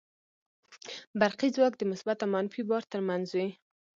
برقي ځواک د مثبت او منفي بار تر منځ وي.